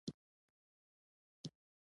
زموږ په اټکل شل میله فاصله درلوده.